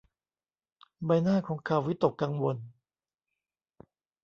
ใบหน้าของเขาวิตกกังวล